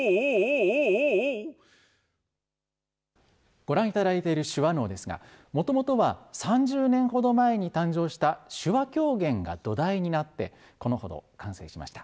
ご覧いただいている手話能ですが、もともとは３０年ほど前に誕生した手話狂言が土台になって、このほど完成しました。